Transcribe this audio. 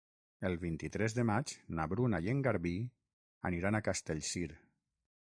El vint-i-tres de maig na Bruna i en Garbí aniran a Castellcir.